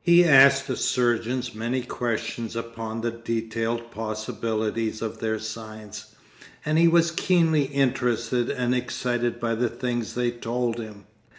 He asked the surgeons many questions upon the detailed possibilities of their science, and he was keenly interested and excited by the things they told him.